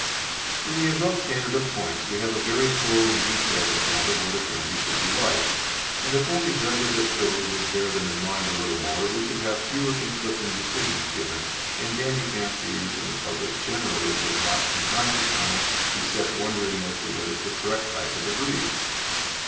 In the above standard of points we have a very full and detailed account of what a Dandie should be like, and if only judges at shows would bear them in mind a little more, we should have fewer conflicting decisions given, and Dandie fanciers and the public generally would not from time to time be set wondering as to what is the correct type of the breed.